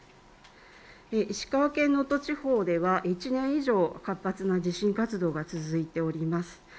石川県能登地方では１年以上、活発な地震活動が続いております。